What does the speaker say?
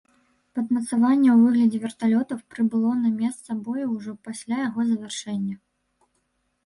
Падмацаванне ў выглядзе верталётаў прыбыло на месца бою ўжо пасля яго завяршэння.